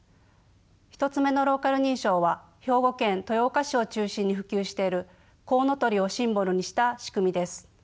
１つ目のローカル認証は兵庫県豊岡市を中心に普及しているコウノトリをシンボルにした仕組みです。